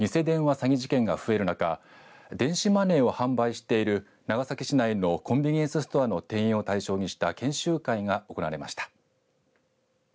詐欺事件が増える中電子マネーを販売している長崎市内のコンビニエンスストアの店員を対象にした研修会が行われました。